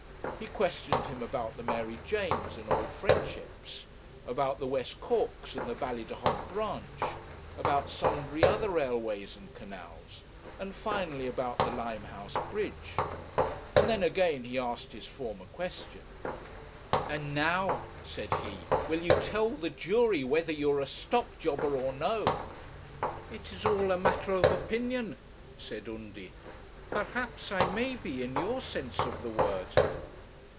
He questioned him about the Mary Janes and Old Friendships, about the West Corks and the Ballydehob Branch, about sundry other railways and canals, and finally about the Limehouse bridge; and then again he asked his former question. 'And now,' said he, 'will you tell the jury whether you are a stock jobber or no?' 'It is all a matter of opinion,' said Undy. 'Perhaps I may be, in your sense of the word.'